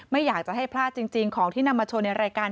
ไม่อยากจะให้พลาดจริงของที่นำมาโชว์ในรายการ